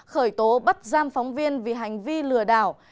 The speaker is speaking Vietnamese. khởi tố bắt giam phóng viên vì hành vi lừa đảo